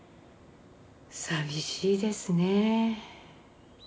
寂しいですね。